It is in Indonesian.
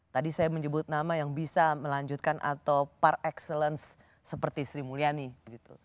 tadi saya menyebut nama yang bisa melanjutkan atau park excellence seperti sri mulyani gitu